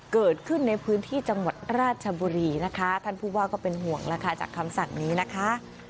เกิดขึ้นในพื้นที่จังหวัดราชบุรีนะคะท่านผู้ว่าก็เป็นห่วงแล้วค่ะจากคำสั่งนี้นะคะ